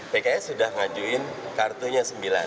pks sudah ngajuin kartunya sembilan